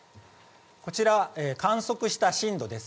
こちら、観測した震度です。